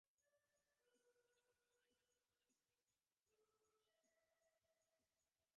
তিন নম্বর গলির রাকিব আহমেদের বাসার নিচতলায় জুয়েল বসু তাঁর বাবা মাসহ থাকেন।